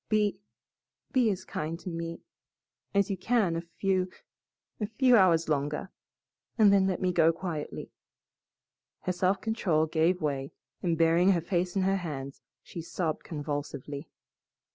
Be be as kind to me as you can a few a few hours longer, and then let me go quietly." Her self control gave way, and burying her face in her hands, she sobbed convulsively.